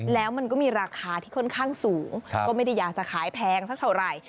แล้วมันก็มีราคาที่ค่อนข้างสูงก็ไม่ได้อยากจะขายแพงสักเท่าไหร่